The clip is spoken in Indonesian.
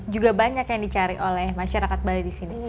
juga banyak yang dicari oleh masyarakat bali di sini